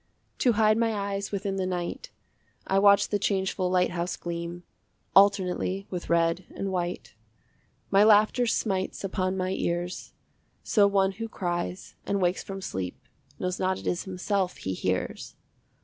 To hide my eyes within the night I watch the changeful lighthouse gleam Alternately with red and white. My laughter smites upon my ears, So one who cries and wakes from sleep Knows not it is himself he hears.